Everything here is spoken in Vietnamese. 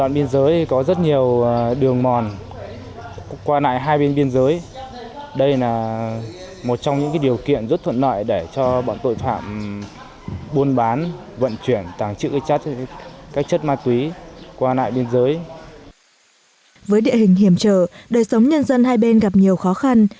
với địa hình hiểm trở đời sống nhân dân hai bên gặp nhiều khó khăn